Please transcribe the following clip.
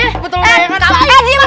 eh betul kayaknya kan